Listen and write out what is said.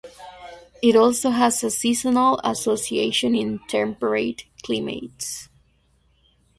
It also has a seasonal association in temperate climates.